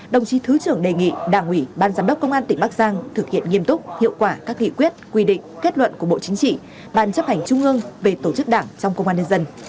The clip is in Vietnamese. đồng chí thứ trưởng đề nghị đảng ủy ban giám đốc công an tỉnh bắc giang thực hiện nghiêm túc hiệu quả các nghị quyết quy định kết luận của bộ chính trị ban chấp hành trung ương về tổ chức đảng trong công an nhân dân